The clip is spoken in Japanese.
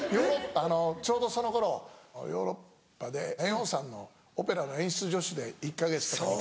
ちょうどその頃ヨーロッパで猿翁さんのオペラの演出助手で１か月とか２か月。